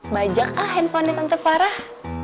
bajak ah handphonenya tante parah